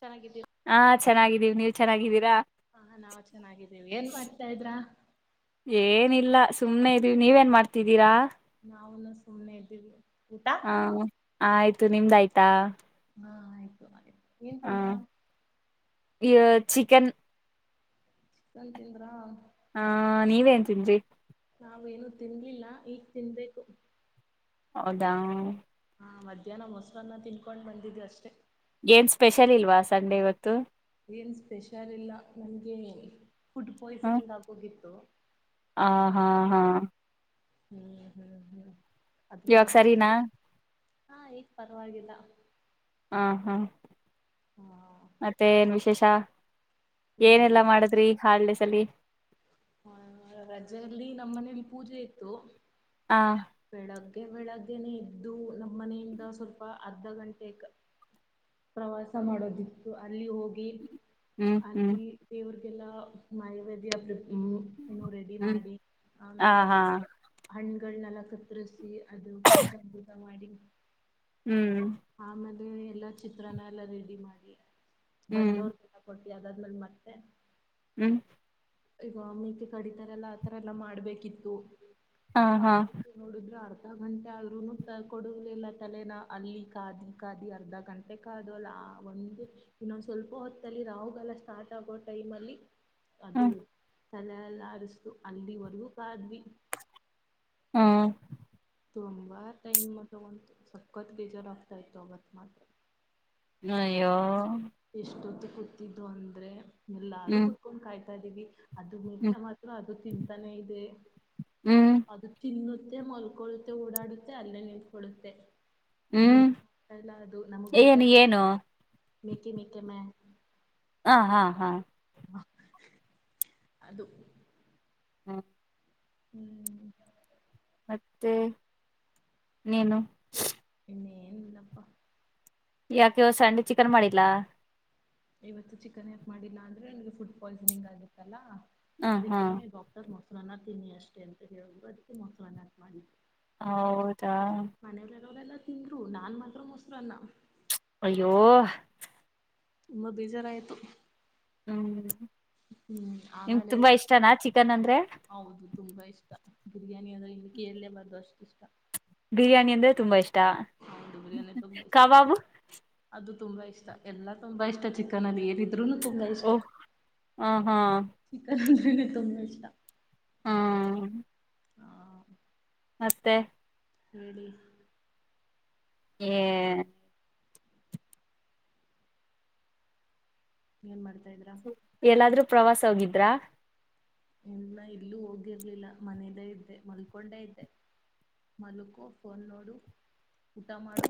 ಚೆನ್ನಾಗಿದ್ದೀವಿ ಹಾ ಚೆನ್ನಾಗಿದ್ದೀವ ನೀವು್ ಚೆನ್ನಾಗಿದ್ದೀರಾ ಹಾ ನಾವು ಚೆನ್ನಾಗಿದ್ದೇವಿ ಏನ್ ಮಾಡ್ತಾ ಇದ್ರ ಸುಮ್ಮ್ನೆ ಇ ನೀವೇಏನ್ ಮಾಡ್ತಿದ್ದೀರಾ ನಾನು ಸುಮ್ಮ್ನೆ ಇದ್ದೀವಿ ಊಟ ಹ ಆಯ್ತು ನಿಮ್ದ ಆಾಯ್ತಾ ಹಾ ಆಯ್ತು ಏನ್ ತಿನ್ಾ ಈ ಚಿಕನ್ ಸಂತಿಂದ್ರಾ ಹಾ ನೀವೇನ್ಂತನ್್ರಿ ನಾವೇಏನು ತಿನ್ಲಿಲ್ಲ ಈಗ್ ತಿನ್ಬೇಕು ಹೌದಾ ಹಾ ಮಧ್ಯಾಹ್ನ ಮೊಸರನ್ನ ತಿನ್ಕೊಂಡ್ ಬಂದಿದು ಅಷ್ಟೇ ಏನ್ ಸ್ಪೆಷಲ್ ಇಲ್ವಾ ಸಂಡೆ ಇವತ್ತು ಏನು ಸ್ಪೆಷಲ್ ಇಲ್ಲ ನನಗೆ ಫುಡ್ ಪಾಯ್ಸನಿಂಗ್ ಆಗೋಗಿತ್ತು ಹಾ ಹಾ ಹಾ ಹ್ಮ್ ಹ್ಮ್ ಹ್ಮ್ ಅದ ಇವಾಗ ಎಂತಪ ಸರಿನಾ ಹಾ ಈಏಗ ಪರವಾಗಿಲ್ಲ ಹಾ ಹ್ಮ ಹಾ ಮತ್ತೆ ಏನ್ ವಿಶೇಷ ಇಲ್ಲ ಏನೆಲ್ಲಾ ಹೇಳ್ಬೇಕು ಮಾಡದ್ರಿ ಹಾಡ ಸಲಿ ಹ ರಜಲ್ಲಿ ನಮ್ಮ ಮನೇಲಿ ಪೂಜೆ ಇತ್ತು ಹ ಬೆಳಗ್ಗೆ ಬೆಳಗ್ಗೆನೆೇ ಇದ್ದು ನಮ್ಮ್ ಮನೆಯಿಂದ ಸ್ವಲ್ಪ ಅರ್ಧ ಗಂಟೆ ಪ್ರವಾಸ ಮಾಡೋದಿತ್ತು ಅಲ್ಲಿ ಹೋಗಿ ಹ್ಮ್ ಹ್ಮ್ ಅಿ ದವಊ ಗಲ್ಲ ಮಾಯವ್ಯದ ಪ್ರ ಹ್ಮ್ ಇನ್ನು ರೆಡಿ ಹ್ಮ್ ಮಾಡಿ ಹ ಆಮೇಲೆ ಅದ್ರ ಹಾ ಹಣ್ಣುಗಳನೆೆಲ್ಲ ಕತ್ತರಿಸಿ ಅದು ಪಂಚಾಭೂತ ಮಾಡಿ ಹ್ಮ್ ಆಮೇಲೆ ಎಲ್ಲಾ ಚಿತ್ರನ ಎಲ್ಲ ರೆಡಿ ಮಾಡಿ ಹ್ಮ್ ಬಂದವ್ರ ಕೊ ಯದಾದ್ಮೇಲೆ ಮತ್ತೆ ಹ್ಮ್ ಈಗ ಮಕ್ಕೆ ಕಡಿತಾರೆ ಎಲ್ಲಾ ಆತರ ಎಲ್ಲಾ ಮಾಡ್ಬೇಕಿತ್ತು ಹ ಹೌ ಹಾ ನೋಡಿದ್ರೆ ಆರ್ಥ ಅರ್ಧ ಗಂಟೆ ಆದ್ರರುನು ಕೊಡಲಿಲ್ಲ ತಲೆನ ಅಲ್ಲಿ ಕಾದಿ ಕಾದಿ ಅರ್ಧ ಗಂಟೆ ಕದು ಅಲ್ಲ ಒಂದು ಇನ್ನೊಂದ ಸ್ವಲ್ಪ ಹೊತ್ತಲ್ಲಿ ರಾಹುಗಾಲ ಸ್ಟಾರ್ಟ್ ಆಗೋ ಟೈಮ್ ಅಲ್ಲಿ ಅದು ಹ್ಮ್ ತಲೆಲ್ಲಾರಸ್ತು ಅಲ್ಲಿ ಹೊರ್ಗೂ ಕಾದ್ವಿ ಹ್ಮ್ ತುಂಬಾ ಟೈಮ್ ಮತ್ತಗಂತು ಸಖತ್ ಬೇಜಾರ್ ಆಗ್ತಾ ಇತ್ತು ಅವತ್ ಮಾತ್ರ ಅಯ್ಯೋ ಎಷ್ಟೊತ್ತಿಗೆ ಕೂತಿದ್ದು ಅಂದ್ರೆ ಎಲ್ಲಾರು ಹ್ಮ್ ಕುೂತ್ಕೊಂಡ್ ಕಾಯ್ತಾ ಇದ್ದೀವಿ ಅದ ಹ್ಮ್ ಮುಖೆ ಮಾತ್ರ ಅದು ತಿಂತಾನೆ ಇದೆ ಹ್ಮ್ ಅದು ತಿನ್ನು ಮಲ್ಕೊಳ್ಳುತ್ತೆ ಓಡಾಡುತ್ತೆ ಅಲ್ಲೇ ನಿಲ್ಕಡುತ್ತೆ ಇನ್ನ ಹ್ಮ್ ಎಲ್ಲ ಅದು ನಮಗ್ ಏನು ಬೇಕಾದ ಏನು ಮೇಕೆ ಮೆೇಕೆಮ್ಮ ಹ ಹಾ ಹಾ ಅದು ಹ್ಮ ಹ್ಮ್ ಮತ್ತೆ ನೀೇನು ನ್ನೇಲ್ಲಪ್ಪ ಯಾಕೆ ಸ್ಯಾಂಡಿ ಚಿಕನ್ ಮಾಡಿಲ್ಲಾ ಇವತ್ತು ಚಿಕನ್ ಯಾಕ ಮಾಡಿಲ್ಲ ಅಂದ್ರೆ ನನ್ಗೆ ಫುಡ್ ಪಾಯ್ಸನಿಂಗ್ ಆಗಿತ್ತಲ್ಲಾ ಹ ಹಾ ಅದಕ್ಕೇ ಡಾಕ್ಟರ್ ಮೊಸಲಾನ ತಿೀನಿ ಅಷ್ಟೇ ಅಂತ ಹೇಳ್ಬೋುದು ಅದಕ್ಕೆ ಮೊಸಲಾನ ಮಾಡಿ ಹೌದಾ ಲ್ಲ ತಿಂದ್ರು ನಾನ್ ಮಾತ್ರ ಮೊಸರು ಅಲ್ಲ ಅಯ್ಯೋ ತುಂಬ ಬೇಜಾರ ಆಯ್ತು ಹ್ಮ್ ನಿಮ್ ಆಮೇಲೆ ತುಂಬಾ ಇಷ್ಟನಾ ಚಿಕನ್ ಅಂದ್ರೆ ಹೌದು ತುಂಬಾ ಇಷ್ಟ ಬಿರಿಯಾನಿ ಅ್ರ ಇಲ್ಲಿಕ್ಕೆ ಎರಲ್ಲೇಬಾರ್ದು ಅಷ್ಟು ಇಷ್ಟ ಬಿರಿಯಾನಿ ಅಂದ್ರೆ ತುಂಬಾ ಇಷ್ಟ ಹೌದು ಕಬಾಬು ತುಂಬ ಇಷ್ಟ ಎಲ್ಲ ತುಂಬ ಇಷ್ಟ ಚಿಕನಲ್ಲಿ ಏರಿದ್ರರು ತುಂಬಾ ಇಷ್ಟ ಓಹ ಹ ಹಾ ಚಿಕನ್ ಕಿ ತುಂಬಾ ಇಷ್ಟ ಹ್ಮ್ ಹಾ ಮಸ್ತೆ ಹೇಳಡಿ ಹ ಏನ್ ಮಾಡಿ ಎಲ್ಲಾದ್ರೂ ಪ್ರವಾಸ ಹೋಗಿದ್ರಾ ಇಲ್ಲ ಇಲ್ಲೂ ಹೋಗಿರ್ಲಿಲ್ಲ ಮನೇಲ್ಲೇ ಇದ್ದೆ ಮಲ್ಕೊಂಡೆ ಇದ್ದೆ ಮಲಕು ಫೋನ್ ನೋಡು ಊಟ ಮಾಡು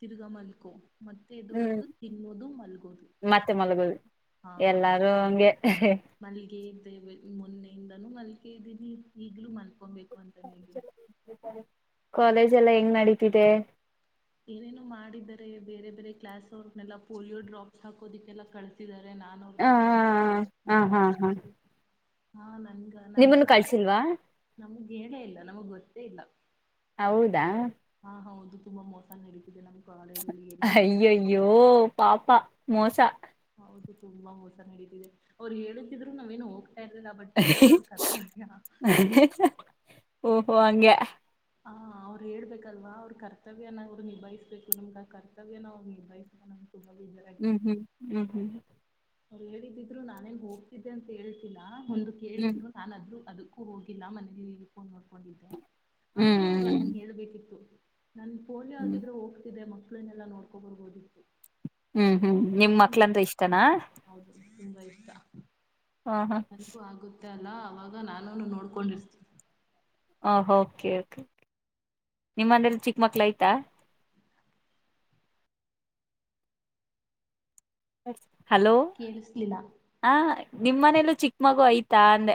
ತಿರುಗಮಲ್ಕೋ ಮತ್ತೆ ಹ್ಮ್ ಇದಳದು ತಿನ್ನೋದು ಮಲ್ಗೋದು ಮತ್ತೆ ಮಲಗೋದು ಹಾ ಎಲ್ಲಾರು ಹಂಗೆ ಮಲ್ಗೆ ಇದ್ದೇವೆ ಮೊನ್ನೆಯಿಂದನೂ ಮಲ್ಗೆ ಇದ್ದೀನಿ ಈಗ್ಲೂ ಮಲ್ಕೊಬೇಕ ಂತ ನೀ ಕಾಲೇಜ್ ಎಲ್ಲ ಹೆಂಗ್ ನಡತಿದೆ ಏನೇನೋ ಮಾಡಿದಿದ್ದಾರೆ ಬೇರೆ ಬೇರೆ ಕ್ಲಾಸ್ ಅವರನ್ನನೆಲ್ಲಾ ಪೋಲಿಯೋ ಡ್ರಾಪ್ಸ್ ಹಾಕೋದಿಕ್ಕೆಲ್ಲ ಕಳಸಿದ್ದಾರೆ ಹ ಹ ನಾನ್ದಲ್ಲ ನೋ ಹ ಹಾ ಹಾ ಹ ನಿಮ್ಮನ್ನು ಕಳ್ಸಿಲ್ವಾ ನಮ್ಗ್ ಹೇಳೇ ಇಲ್ಲ ನಮಗ್ ಗೊತ್ತೇ ಇಲ್ಲ ಹೌದಾ ಹಾ ಹೌದು ತುಂಬಾ ಮೋಸ ನಡೀಿದೆ ನಮಗೆ ಅಯ್ಯೋ ಅಯ್ಯೋ ಪಪಾ ಮೋಸಾ ಹೌದು ತುಂಬಾ ಹೊೋಸ ನಡೀತಿದೆ ಅವ್ರು ಹೇಳುತ್ತಿದ್ರು ನಾವೇನು ಹೋಗ್ತ ಎಲ್ಲಲ್ಲ ಬಠಿಳ ದೊಡ್ತ ಓಹೋ ಅಂಗೆ ಅವ್ರು ಹೇಳ್ಬೇಕಲ್ವಾ ಅವ್ರ ಕರ್ತವ್ಯನ ಅವ್ರು ನಿಭಾಯಿಸ್ಬೇಕು ನಮ್ಗೆ ಆ ಕರ್ತವ್ಯನ ಅವ್ರು ನಿಭಾಯಿಸ ನಮಗೆ ಹ್ಮ್ ಹ್ಮ್ ಹ್ಮ್ ಹ್ಮ್ ಅವ್ರು ಹೇಳಿದಿದ್ರು ನಾನೇನ್ ಹೋಗ್ತಿದ್ದೆ ಅಂತ ಹೇಳ್ತಲ್ಲಾ ಒಂದು ಹ್ಮ್ ಕೇಳಿದ್ರು ನಾನದ್ೂ ಅದು ು ಹೋಗಿಲ್ಲ ಮನೆಯಲ್ಲಿ ಫೋನ್ ಮಾಡೋ್ಕೊಂಡಿದ್ದೆ ಹ್ಮ್ ಆದ್ರೂ ಅವ್ರು ಅದನ್ನ ಹೇಳ್ಬೇಕಿತ್ತು ನನ್ ಫೋನ್ ಹ್ಮ್ ಹದಿದ್ರೆ ಹೋಗ್ತಿದ್ದೆ ಮಕ್ಳನೆಲ್ಲಾ ನೋಡ್ಕೊಬರ್ ಓದಿತ್ತು ಹ್ಮ್ ಹ್ಮ್ ನಿಮ್ ಮಕ್ಳಂದ್ರೆ ಇಷ್ಟನಾ ತುಂಬ ಇಷ್ಟಾ ಹಾ ಹಾ ಗ ಅಲ್ಲ ಅವಾಗ ನಾನುನು ನೋಡ್ಕೊಂಡಿರ್ತೀನಿ ಹ ಕೆ ನಿಮ್ಮಂದಲ್ಲಿ ಚಿಕ್ಕ ಮಕ್ಳ ಆಯ್ತಾ ಹಲೋ ಕೇಳಿಸ್ಲಿಲ್ಲ. ಹ ನಿಮ್ಮ್ ಮನೇಲ್ಲೂ ಚಿಕ್ಕ ಮಗು ಐ್ತ ತಾನ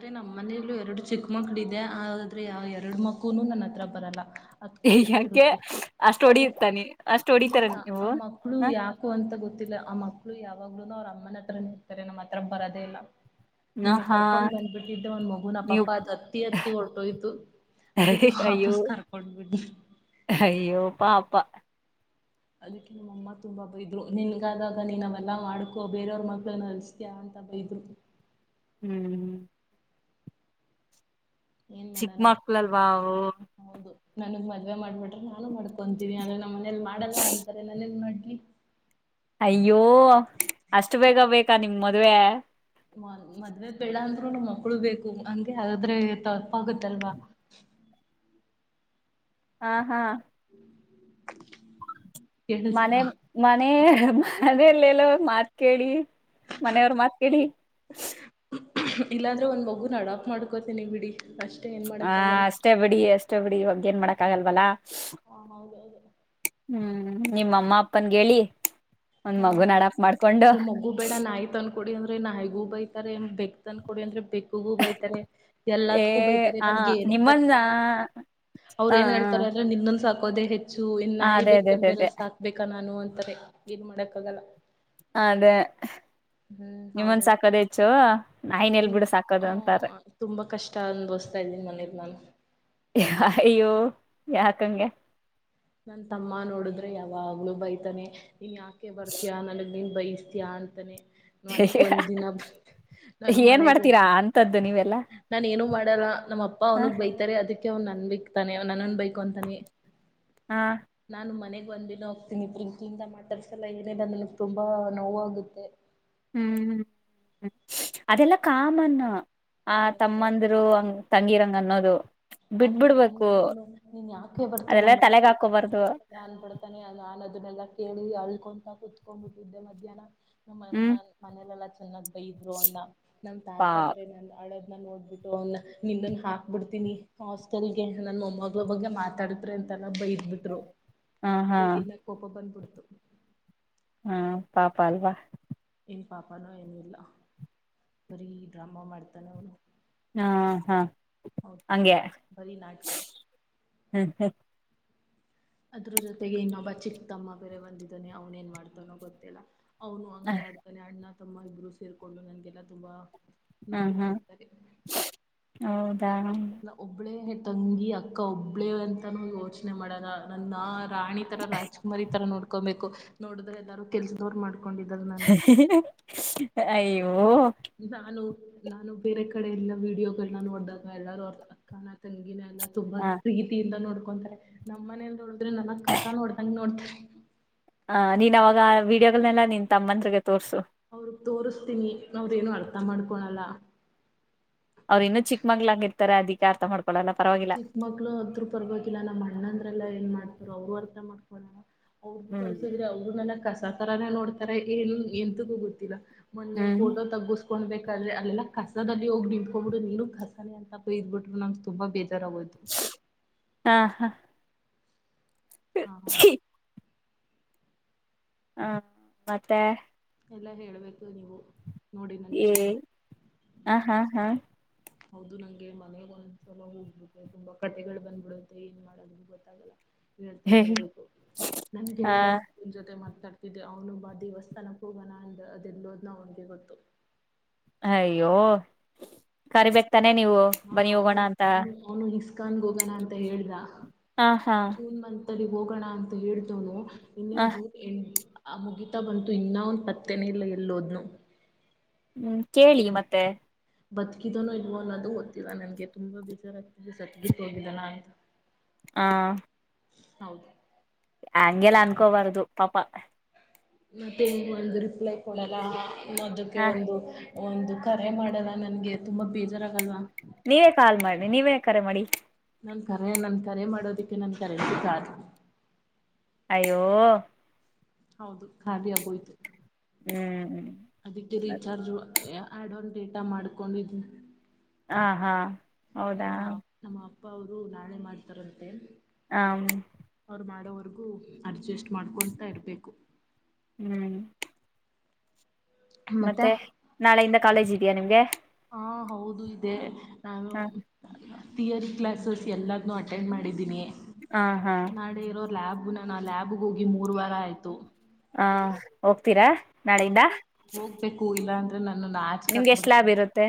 ಆದಂದ್ರೆ ನಮ್ಮ ಮನೆಯಲ್ಲೂ ಎರಡು ಚಿಕ್ಕ ಮಕ್ಳು ಇದೆ ಆದ್ರೆ ಎರಡು ಮಕ್ಕುನು ನನ್ನ ಹತ್ರ ಬರಲ್ಲ ಅತ್ಕೊಂಡೆ ಯಾಕೆ ಇರುತ್ತೆ ಅಷ್ಟ ಅವು ಹೊಡತಾನ ಅಷ್ಟು ಹೊಡಿತಾರ ಇಲ್ಲ ನೀವು ಆ ಮಕ್ಳು ಹ ಯಾಕೋ ಅಂತ ಗೊತ್ತಿಲ್ಲ ಆ ಮಕ್ಳು ಯಾವಾಗ್ಲೂನು ಅವ್ರ ಅಮ್ಮನ ಹತ್ರ ಇರ್ತಾರೆ ನಮ್ಮ್ ಹತ್ರ ಬರೋದೇ ಇಲ್ಲ ಹ ನನ್ಗ್ ಹಾ ಕರ್ಕೊಂಡ್ ಬಂದ್ಬಿಟ್ಟಿದ್ದೆ ಒಂದ ಮಗುನ ನೀವು ಪಾಪ್ಪ ಅದ್ ಅತ್ತಿ ಅತ್ತಿ ಹೊರಟೋಯ್ತು ಅದಕ್ಕೆ ಅಯ್ಯೋ ವಾಪಸ್ ಕರ್ಕೊಂಡ್ಬಿಡಿ ಪ್ಪಾಪ್ಪಾ ಅದಕ್ಕೆ ನಿಮ್ಮ ಅಮ್ಮ ತುಂಬಾ ಹಬ್ಬ ಇದ್ರು ನಿನ್ಗಾದಾಗ ನೀನ್ ಅವೆಲ್ಲಾ ಮಾಡ್ಕೋ ಬೇರೆಯವ್ರ ಮಕ್ಳನ್ನ ಅಲ್ಸತಂತ ಬೈದು ಹ್ಮ್್ಮ ಏನ್ ಮಾಡಣ. ಚಿಕ್ಕಮಕ್ಳಲ್ವಾ ನೇ ಮಾಡ್ಬಿಟ್ರ ನಾನು ಮಾಡ್ಕೊಂತೀನಿ ಅ್ರ ನಮ್ಮ ಮನಲಿ ಮಾಡಲ್ಲ ಅಂತಾರೆ ನನೇನ್ ನೋಲಿ ಅಯ್ಯೋ ಅಷ್ಟು ಬೇಗ ಬೇಕಾ ನಿಮ್ ಮದ್ವೆ ಮದ್ವೆ ಬೆಳ ಅಂದ್ರು ನಮ್ ಮಕ್ಳು ಬೇಕು ಅಂಗಗೆ ಆದ್ರೆ ತಪ್ಪಾಗುತ್ತಲ್ವಾ ಹ್ಮ್ ಹಾ ಹಾ ಕೇಳಿಸ್ತಾ ಮನೆ ಮನೆ ಮನಲ್ಲಲ್ಲ ಮಾತ್ ಕೇಳಿ ಮನೆಯವರು ಮಾತ್ ಕಡಿ ಇಲ್ಲಾಂದ್ರೆ ಒಂದು ಮಗುನ ಅಡಾಪ್ ಮಾಡ್ಕೋತನಿ ಬಿಡಿ ಅಷ್ಟೆ ಹ ಅಷ್ಟೇ ಬಿಡಿ ಅಷ್ಟೇ ಬಿಡಿ ಇ ಏನ್ ಮಾಡಕ್ ಆಗಲ್ವಲ್ಲಾ ಹಾ ಹೌದೌದು ಹ್ಮ ನಿಮ್ಮ ಅಮ್ಮ ಅಪ್ಪನ್ ಹೇಳಿ ಒಂದ್ ಹಾ ಮಗುನ್ ಹಡಕ್ ಮಾಡ್ಕೊಂಡು ಕೊಡಿ ಅಂದ್ರೆ ನಾಯಿಗ ಹೂಬಯತ ಬೆಕ್ ತನ್ ಕೊಡಿ ಅಂದ್ರೆ ಬೆಕ್ಕು ಹಬ್ಬಯ್ತಾರೆ ಏ ಎಲ್ಲತ್ಕ್ಕೂ ಬೈತಾರೆ ಆ ನನ್ಗೆ ಏನ್ ಹಕ್ತಾರೆ ನಿಮ್ಮನ್ನ ಕೂಡ ಹ ಅವ್ರು ಏನ್ ಹ ಹೇಳ್ತಾರೆ ಅಂದ್ರೆ ನಿನ್ನನ್ ಸಾಕು ಹಕೋದೆೇ ಹೆಚ್ಚು ಅದೇ ಅದೇ ಇನ್ಾಯ್ಬೇಕನ್ ಅದೇ ಬೇರೆ ಅದೇ ಸಾಕ್ಬೇಕಾ ನಾನು ಅಂತಾರೆ ಏನ್ ಮಾಡಕ್ ಆಗಲ್ಲ ಅ ಅದೇ ಹ್ಮ್ ನಿಮ್ಮಂದ ಹೌದು ಸಾಕದ್ ಹೆಚ್ಚು ನಾಯಿನ್ ಎಲ್ ಬಿಡು ಸಾಕೋದು ಅಂತಾರೆ ಹ ತುಂಬಾ ಕಷ್ಟ ಅನ್ಭವಿಸತಾ ಇದ್ದೀನಿ ಮನೇಲಿ ನಾನು ಅಯ್ಯೋ ಯಾಕಂಗೆ ನನ್ ತಮ್ಮ ನೋಡಿದ್ರೆ ಯಾವಾಗ್ಲೂ ಬೈತಾನೆ ನೀನ್ ಯಾಕೆ ಬರ್ತಯಾ ನನಗ್ ನಿನ್ ಬಯಸ್ತೀಯಾ ಅಂತಾನೆ ಮನೆಗ್ ಒಂದ್ ದಿನ ಏನ್ ಮಾಡ್ತೀರಾ ಅಂತದ್ದು ನೀವೆಲ್ಲಾ ನಾ ಏನು ಮಾಡಲ್ಲ ನಮ್ಮ ಅಪ್ಪ ಹ ಅವನಗ್ ಬೈತಾರೆ ಅದಕ್ಕೆ ಅವ್ ನನ್ ಬಿಕ್ತಾನೆ ನನನ್ ಬೈಕ್ು ಅಂತಾನೆ ಹಾ ನಾನು ಮನೆಗ್ ಒಂದ್ ದಿನ ಹೋಗ್ತೀನಿ ಪ್ರ್ರಿಂಕ್ಲಿಂದ ಮಾತಾಡ್ಸಲ್ಲ ಏನಿಲ್ಲ ಅನಗ್ ತುಂಬಾ ನೋವಾಗುತ್ತೆ ಹ್ಮ್್ಮ್ ಅದೆೆಲ್ಲಾ ಕಾಮ ಆ ತಮ್ಮಂದರು ಅಂಗ ತಂಗಿರಂಗ ಅನ್ನೋದು ಅ ಅ ಬಿಟ್ಬಿಡ್ಬೇಕು ಅವನು ನೀನ್ ಯಾಕೆ ಬರ್ತ ನ ಅದೆಲ್ಲ ಬನ್ ತಲೆಗ್ ಹಾಕೋಬಾರ್ದು ಬಿಡ್ತಾನೆ ನಾನ ಅದನ್ನೆಲ್ಲಾ ಕೇಳಿ ಅಳ್ಕೊಂತ ಕುೂತ್ಕೊಂಡ್ಬಿಟ್ಟಿದ್ದೆ ಮಧ್ಯಾಹ್ನ ನಮ್ಮ ಹ್ಮ್ ಮನಲೆಲ್ಲ ಚೆಾಗ್ ಇದ್ರು ಅನ್ನ ನಮ್ಮ್ ಪಾ ತಾತ ಬರ ನನ್ನ ಅಳ ನೋಡ್ಬಿಟ್ಟು ಅವನ ನಿನ್ನನ್ ಹಾಕ್ಬಿಡ್ತೀನಿ ಹಾಸ್ಟೆಲ್ಗೆ ನನ್ ಮೊಮ್ಮಳ ಬಗ್ಗೆ ಮಾತಾಡತ್ಿ ಅಂತಲ್ಲ ಬೈದಬಿಟ್ರು ಹ ಹಾ ಅವರಿಗೆಲ್ಲ ಕೋಪ ಬಂದ್ಬಿಡ್ತು ಹ್ಮ ಪಾಪ ಅಲ್ವಾ ನ್ ಪಾಪನೋ ಏನು ಇಿಲ್ಲ ಬರೀ ಡ್ರಾಮಾ ಮಾಡ್ತಾನೆ ಅವನು ಹಾ ಹಾ ಹಂಗಗೆ ಬರೀ ನಾಟಕ. ಹ್ಮ ಅದ್ರ ಜೊತೆಗೆ ಇನ್ನೊಬ ಚಿಕ್ಕ ತಮ್ಮ ಬೇರೆ ಬಂದಿದಾನೆ ಅವ್ನ ಏನ್ ಮಾಡ್ತಾನೋ ಗೊತ್ತಿಲ್ಲ ಅವನು ಹಂಗೆ ಆಡ್ತಾನೆ ಅಣ್ಣ ತಮ್ಮ ಇಬ್ರು ಸೇರ್ಕೊಂಡು ನನ್ಗೆಲ್ಲಾ ತುಂಬಾ ಹಾ ನೋವು ಹಾ ಹೌದಾ ಒಬ್ಬಳೇ ತಂಗಿ ಅಕ್ಕ ಒಬ್ಳೇ ಅಂತಾನೂ ಯೋಚನೆ ಮಾಡಾಗ ನಂದ ರಾಣಿ ತರ ರಾಜ್ಕುಮಾರಿ ತರ ನೋಡ್ಕೊಬೇಕು ನೋಡಿದ್ರೆ ಯದಾರು ಕೆಲ್ಸದವ್ ಮಾಡ್ಕ ಕೊಂಡಿದ್ದರು ನನ್ನ ಅಯ ನಾಲೋ ನಾನು ಬೇರೆ ಕಡೆ ಎಲ್ಲಾ ವೀಡಿಯೋಗಳನ್ನ ನೋಡ್ದಾಗ ಎಲ್ಲಾರೂ ಅವ್ರ ಅಕ್ಕನ ತಂಗಿನ ತುಂಬಾ ಹ ಪ್ರೀತಿಯಿಂದ ನೋಡ್ಕೊಂತಾರೆ ನಮ್ಮ್ ಮನೇಲಿ ನೋಡಿದ್ರೆ ನನಗ್ ಕಸ ನೋಡ್ದಂಗ ನೋಡ್ತ ಹ ನೀನ್ ಅವಾಗ ವೀಡಿಯೋಗಳನೆಲ್ಲ ನಿನ್ ತಮ್ಮತ್ರಿಗೆ ತೋರ್ಸು ಅವರು ತೋರ್ಸ್ತೀನಿ ಅವಾವದೇನು ಅರ್ಥ ಮಾಡ್ಕೊಳಲ್ಲ ಅವ್್ರ ಇನ್ನು ಚಿಕ್ಕ ಮಗ್ಗಳಾಗಿ ಇರ್ತಾರೆ ಅದಕ್ಕೆ ಅರ್ಥ ಮಾಡ್ಕಾರೆ ಚಿಕ್ಕಮಕ್ಳ ಹತ್ರರು ಪರ್ಬೇಕೋಕಿಲ್ಲ ನಮ್ಮ್ ಅಣ್ಣಂದ್ರೆಲ್ಲಾ ಏನ್ ಮಾಡ್ತರು ಅವರು ಅರ್ತ್ರ ಮಾಡ್ಕೊಳಣ ಅವ್ರರುಗು ಹ್ಮ್ ಕಳ್ಸಿದ್ರೆ ಅವ್ರು ನನ ಕಸ ತರಾನ ನೋಡ್ತಾರೆ ಏನ್ ಎಂತಗೂ ಗೊತ್ತಿಲ್ಲ ಹ್ಮ್ ಮೆ ೋಟೋ ತಗುಸ್ ಕ್ಬೇಕಾದ್ರೆ ಅಲ್ಲೆಲ್ಲ ಕಸದಲ್ಲಿ ಹೋಗಿ ನಿಮ ಹೋಗಬಿಟ್ಟ ನೀನು ಕಸನೇ ಅಂತ ಇದ್ ಬಿಿ್ರರು ನಮಗೆ ತುಂಬಾ ಬೇ ತರಗದು ಹಾ ಹಾ ಹ ಹೌದು ಶ ಹಾ ಮತ್ತೆ ಎಲ್ಲ ಹೇಳಬೇಕು ನೀವು ನೋಡಿ ನಾನು ಏ ಎಷ್ಟು ಹ ಹಾ ಹಾ ಹೌದು ನಂಗೆ ಮನೆಗ ಒಂದ್ಸಲ ಹೋಗ್ಬಿೆ ತುಂಬಾ ಕಟ್ಟೆಗಳು ಬಂದ್ಬಿಡುತ್ತೆ ಏನ್ ಮಾಡದು ಗೊತ್ತಾಗಲ್ಲ ಹೇಳ್ತಾನೆ ಹ ಇರ್ಬೇಕು ನನ್ ಗೆಳೆಯನ್ ಜೊತೆ ಮಾಡ್ತ ಕಡ್ತಿದೆ ಅವ್ನು ಬಾ ದೇವಸ್ಥಾನಕ್ಕೆ ಹೋಗೋಣ ಅಂಡ್ ಅದೆಲ್ಲೋದನ ಅವನಿಗೆ ಗೊತ್ತು ಹೋ ಹಾ ಅವನು ಅವನು ಇಿಸ್ಕಾನ್ ಹೋಗನ ಅಂತ ಹೇಳ್ದ ಆ ಹಾ ಮಲ್ಲಿ ಹೋಗೋಣ ಅಂತ ಹೇಳ್ತನು ಇನ್ನೇನ್ ಹ ಜೂನ್ ಎಣ ಆ ಮುಗೀಿತಾ ಬಂತು ಇನ್ನ ಒಂದು ಪತ್ತೆನೆ ಇಲ್ಲ ಎಲ್ಲೋದ್ನು ಹ್ಮ್ ಕೇಳಿ ಮತ್ತೆ ಬತ್ಕಿದನು ಇವ ಅನ್ನೋದು ಓದ್ತ್ತಿಲ್ಲ ನನ್ಗೆ ತುಂಬಾ ಬೇಜಾರಾಗ್ತಿದೆ ಸತ್ಗಿತ್ತುು ಹೋಗಿದಾನ ಅಂತ ಹಾ ಹೌದು ಹಂಗೆಲ್ಲ ಅನ್ಕೋಬಾರ್ದು ಪಾಪ ಮತ್ತೆ ಹೆಂಗ ಒಂದು ರಿಪ್ಲೈ ಕೊಡಲ್ಲನ್ನದಕ್ಕೆ ಹ ಒಂದು ಒಂದು ಕರೆ ಮಾಡಲ್ಲ ನನ್ಗೆ ತುಂಬಾ ಬೇಜಾರಾಗಲ್ವಾ ನೀವೇ ಕಾಲ್ ಮಾಡನಿ ನೀವೇ ಕರೆ ಮಾಡಿ ನನ್ ಕರೆ ನನ್ ಕರೆ ಮಾಡೋದಿಕ್ಕೆ ನನ್ ಕರೆ ಕ ಅಯ್ಯೋ ಹೌದು ಖಬಿ ಆಗೋಯ್ತು ಹ್ಮ್ ಅದಕ್ಕೆ ರೀಚಾರ್ಜ್ ಆ್ಯಡನ್ ಡೇಟಾ ಮಾಡ್ಕೊಂಡಿದ್ನವಿ ಹಾ ಹಾ ಹೌದಾ ನಮ್ಮ ನಮ್ಮ ಅಪ್ಪ ಅವರು ನಾಳೆ ಮಾಡ್ತಾರಂತೆ ಹ ಮಾಡೋವರೆಗು ಅಡ್ಜಸ್ಟ್ ಮಾಡ್ಕೊತಾ ಇರ್ಬೇಕು ಹ್ಮ್ ಮತ್ತೆ ನಾಳೆಯಿಂದ ಕಾಲೇಜ್ ಇದಯಾ ನಿಮ್ಗೆ ಹಾ ಹೌದು ಇದೆ ನಾನು ಹ ಹ ಿಯ ಕ್ಲಾಸಸ್ ಎಲ್ಲಾದ ಅಟೆಂಡ್ ಮಾಡಿದ್ದೀನಿ ಹಾ ನಾಳೆ ಇರೋ ಲ್ಯಾಬ್ ು ನಾನ ಆಲ್ಾಬ್ಗೆ ಹೋಗಿ ಮೂರ್ ವಾರ ಆಯ್ತು ಹಾ ಹೋಗ್ತೀರಾ ನಾಳಿಂದ ಹೌದು ಹೋಗ್ಬೇಕು ಇಲ್ಲಾ ಅಂದ್ರೆ ನನ್ನನ್ನ ನಿಮ್ಗೆ ಎಷ್ಟ ಲಾಭ ಇರುತ್ತೆ.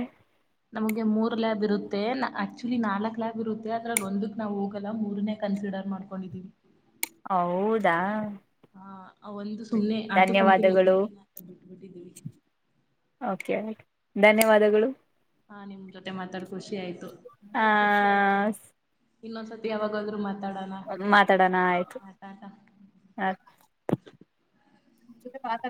ನಮ್ಗೆ ಮೂರ್ ಲ್ಯಾಬ್ ಇರುತ್ತೆ ಆಕ್ಚುಲಿ ನಾಲ್ಕಕ್ ಲ್ಯಾಬ್ ಇರುತ್ತೆ ಅದ್ರಲ್ ಒಂದಕ್ ನಾವ್ ಹೋಗೋಲ್ಲ ಮೂರನೇ ಕ. ಸಿಡಾರ್ ಮಾಡ್ಕೊಂಡಿದ್ದೀವಿ. ಹೌದಾ ಹಾ ಒಂದು ಸುಮಮ್ಮನೆ ಆಟ ಕುಣಿಲ್ಲ ಕು ಧನ್ಯವಾದಗಳು ಬಿಟ್ಟ ಬಿಟ್ಟಿದ್ದೀವಿ. ಕೆ ಧನ್ಯವಾದಗಳು. ಹಾ ನಿಮ್ ಜೊತೆ ಮಾತಾಡ್. ಖುಷಿ ಆಯ್ತು ಹ ಇನ್ನೊಂದ್ಸತಿ ಯಾಗಾದ್ರುತ್ತೆ. ಮಾತಾಡೋಣ ಆಯ್ತು ಟಾಟಾ ಆ ಮು ಬತ